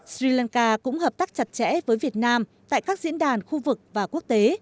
sri lanka cũng hợp tác chặt chẽ với việt nam tại các diễn đàn khu vực và quốc tế